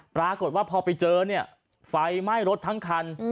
ปรากฏว่าพอไปเจอเนี่ยไฟไหม้รถทั้งคัน